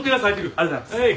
ありがとうございます。